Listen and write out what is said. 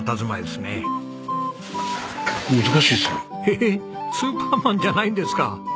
ええスーパーマンじゃないんですか？